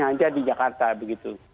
ada hanya di jakarta begitu